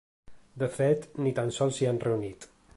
De fet, ni tan sols s’hi han reunit.